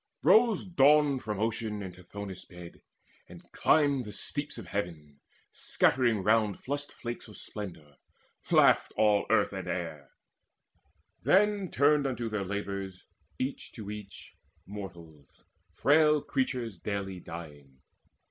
Rose Dawn from Ocean and Tithonus' bed, And climbed the steeps of heaven, scattering round Flushed flakes of splendour; laughed all earth and air. Then turned unto their labours, each to each, Mortals, frail creatures daily dying.